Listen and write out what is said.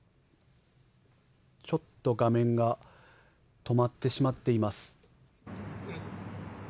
ちょっと画面が止まってしまっています。